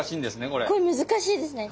これ難しいですね。